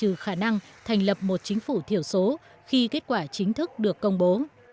trừ khả năng thành lập một chính phủ thiểu số khi kết quả chính thức được công bố